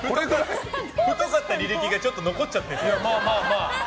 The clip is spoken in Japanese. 太かった履歴がちょっと残っちゃってる。